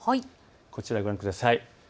こちら、ご覧ください。